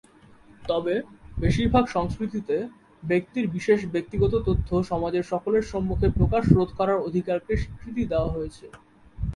তবে, বেশিরভাগ সংস্কৃতিতে, ব্যক্তির বিশেষ ব্যক্তিগত তথ্য সমাজের সকলের সম্মুখে প্রকাশ রোধ করার অধিকারকে স্বীকৃতি দেয়া হয়েছে।